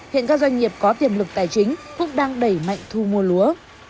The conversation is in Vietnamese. hiện các doanh nghiệp có tiềm lực tài chính cũng đang đẩy mạnh thu mua lúa